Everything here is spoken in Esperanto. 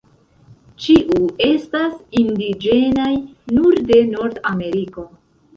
Ĉiu estas indiĝenaj nur de Nordameriko.